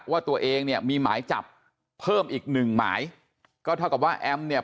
ว่าตัวเองเนี่ยมีหมายจับเพิ่มอีกหนึ่งหมายก็เท่ากับว่าแอมเนี่ย